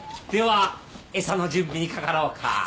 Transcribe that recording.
では餌の準備にかかろうか。